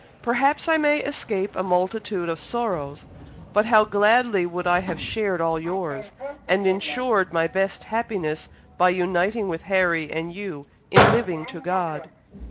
Perhaps I may escape a multitude of sorrows, but how gladly would I have shared all yours, and ensured my best happiness by uniting with Harry and you in living to God.